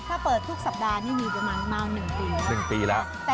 คนนี้ซิมคนนี้หวานเจี๊ยบ